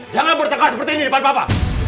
jangan bertengkar seperti ini di depan papa